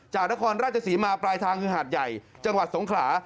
นครราชศรีมาปลายทางคือหาดใหญ่จังหวัดสงขลา